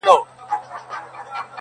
ته مي د ښكلي يار تصوير پر مخ گنډلی.